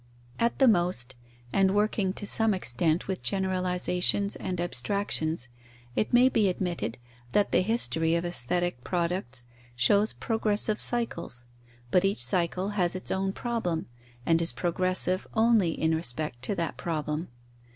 At the most, and working to some extent with generalizations and abstractions, it may be admitted that the history of aesthetic products shows progressive cycles, but each cycle has its own problem, and is progressive only in respect to that problem.